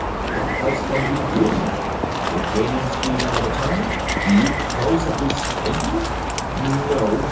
"What else can we do? We're gaining speed all the time. Do you propose that we stay here?" "No."